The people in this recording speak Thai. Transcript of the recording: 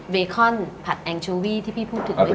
เบคอนผัดแองโชวี่ที่พี่พูดถึงเมื่อกี้